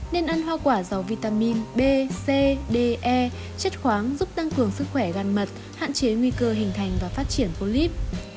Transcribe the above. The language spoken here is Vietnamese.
nên ăn hoa quả giàu vitamin b c d e chất khoáng giúp tăng cường sức khỏe gàn mật hạn chế nguy cơ hình thành và phát triển polyp